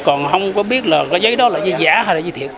còn không có biết là cái giấy đó là gì giả hay là gì thiệt